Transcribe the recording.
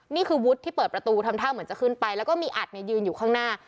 นี่คือวุฒิที่เปิดประตูทำท่าเหมือนจะขึ้นไปแล้วก็มีอัดยืนอยู่ข้างหน้า